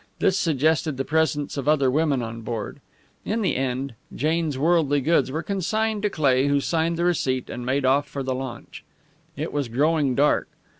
This suggested the presence of other women on board. In the end, Jane's worldly goods were consigned to Cleigh, who signed the receipt and made off for the launch. It was growing dark.